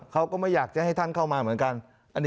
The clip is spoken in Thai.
เขาก็ไม่อยากจะให้ท่านเข้ามาเหมือนกัน